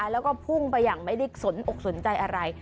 แล้วก็พุ่งไปอย่างไม่ได้สนอกสนใจอะไร